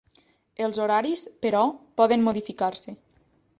Els horaris, però, poden modificar-se.